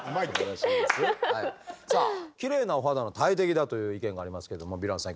さあきれいなお肌の大敵だという意見がありますけどもヴィランさん